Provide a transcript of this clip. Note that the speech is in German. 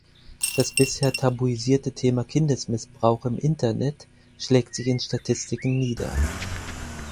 Das bisher tabuisierte Thema Kindesmissbrauch im Internet schlägt sich in Statistiken nieder.